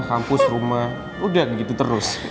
kampus rumah udah begitu terus